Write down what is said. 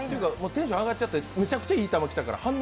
テンション上がっちゃって、めちゃくちゃいい球が来たんで。